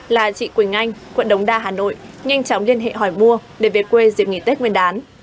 là chị quỳnh anh quận đống đa hà nội nhanh chóng liên hệ hỏi mua để về quê dịp nghỉ tết nguyên đán